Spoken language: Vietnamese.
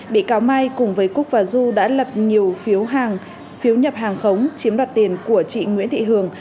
bị cáo mai cùng với cúc và du đã lập nhiều phiếu nhập hàng khống chiếm đoạt tiền của chị nguyễn thị hường